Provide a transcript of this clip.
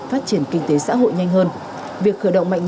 phát triển kinh tế xã hội nhanh hơn